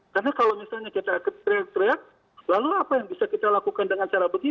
karena kalau misalnya kita teriak teriak lalu apa yang bisa kita lakukan dengan cara begitu